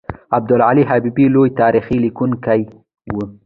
عبدالحی حبیبي لوی تاریخ لیکونکی و.